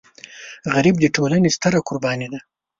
غریب د ټولنې ستره قرباني ده